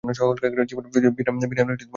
ভীনার বাগদান করা হবে।